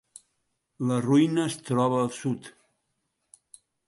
La ruïna es troba al sud.